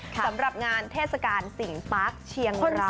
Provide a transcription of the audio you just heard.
สำหรับงานเทศกาลสิงปาร์คเชียงราย